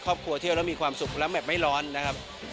ครอบครัวเที่ยวแล้วมีความสุขแล้วแมพไม่ร้อนนะครับ